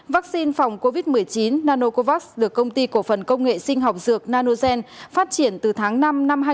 vaccine phòng covid một mươi chín nanocovax được công ty cổ phần công nghệ sinh học dược nanogen phát triển từ tháng năm năm hai nghìn hai mươi